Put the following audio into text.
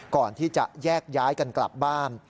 ก่อนที่จะแยกย้ายกันกลับบ้าน